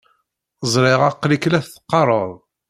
Ẓriɣ aql-ik la teqqareḍ.